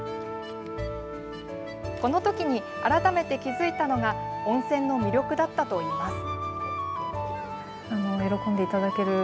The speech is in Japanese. この時に改めて気付いたのが温泉の魅力だったといいます。